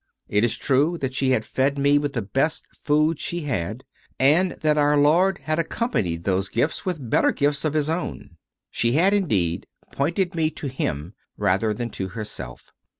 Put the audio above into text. It is true that she had fed me with the best food she had, and that Our Lord had accompanied those ii2 CONFESSIONS OF A CONVERT gifts with better gifts of His own; she had, indeed, pointed me to Him rather than to herself.